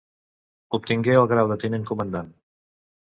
Obtingué el grau de tinent comandant.